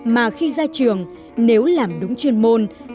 mà khi ra trường nếu làm đúng chuyên môn